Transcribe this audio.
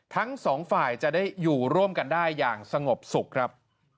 ทั้งสองฝ่ายจะได้อยู่ร่วมกันได้อย่างสงบสุขครับ